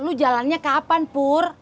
lu jalannya kapan pur